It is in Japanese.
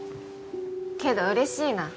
けどうれしいな。